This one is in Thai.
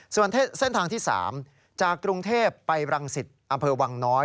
ส่วนเส้นทางที่๓จากกรุงเทพไปรังสิตอำเภอวังน้อย